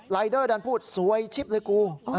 รายเดอร์พูดสวยชิบเลยกู